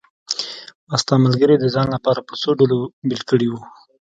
ما ستا ملګري د ځان لپاره په څو ډلو بېل کړي وو.